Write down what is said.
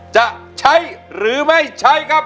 จะใช้หรือไม่ใช้ครับ